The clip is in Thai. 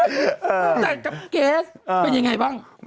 แต่งกับเกสเป็นยังไงบ้าง